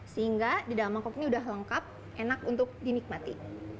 sehingga di dalam mangkok ini sudah lengkap enak untuk dinikmati